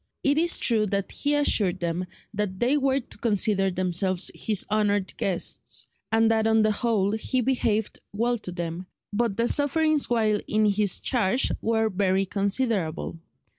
It is true that he assured them that they were to consider themselves his honoured guests, and that on the whole he behaved well to them, but their sufferings while in his charge were very considerable.